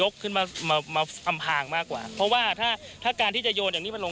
คือเท่าที่พบเนี่ยมันก็อยู่ห่างกัน